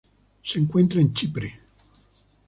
Se encuentra en Chipre.